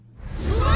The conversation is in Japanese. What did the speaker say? うわ！